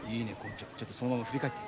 ちょっとそのまま振り返って。